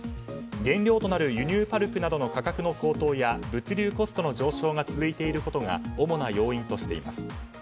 原料となる輸入パルプなどの価格の高騰や物流コストの上昇が続いていることが主な要因としています。